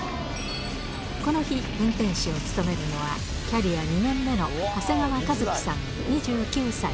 この日、運転士を務めるのは、キャリア２年目の長谷川和輝さん２９歳。